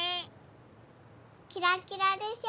キラキラでしょ？